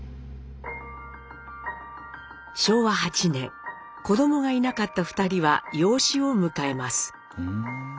昭和８年子どもがいなかった二人は養子を迎えます。